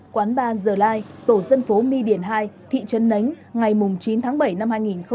quán bar the line tổ dân phố my điển hai thị trấn nánh ngày chín tháng bảy năm hai nghìn hai mươi hai